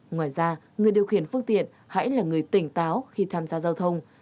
ngoài ra người điều khiển phương tiện hãy là người tỉnh táo khi tham gia giao thông